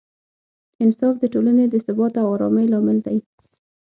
انصاف د ټولنې د ثبات او ارامۍ لامل دی.